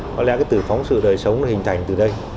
có lẽ cái từ phóng sự đời sống hình thành từ đây